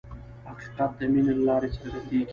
حقیقت د مینې له لارې څرګندېږي.